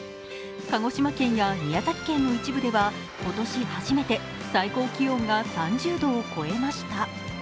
鹿児島県や宮崎県の一部では今年初めて最高気温が３０度を超えました。